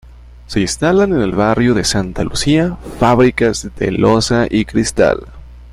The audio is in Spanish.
Se instalan en el barrio de Santa Lucía fábricas de loza y cristal.